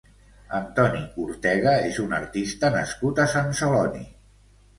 Antoni Ortega és un artista nascut a Sant Celoni.